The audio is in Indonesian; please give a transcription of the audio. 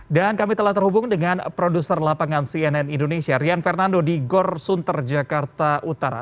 dan kami telah terhubung dengan produser lapangan cnn indonesia rian fernando di gor sunter jakarta utara